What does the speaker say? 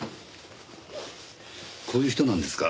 こういう人なんですか？